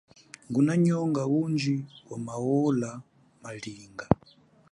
Nguna nyonga undji wa maola malinga.